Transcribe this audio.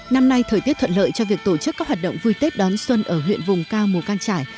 năm nay thời tiết thuận lợi cho việc tổ chức các hoạt động vui tết đón xuân ở huyện vùng cao mù cang trải